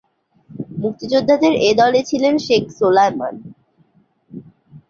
মুক্তিযোদ্ধাদের এ দলে ছিলেন শেখ সোলায়মান।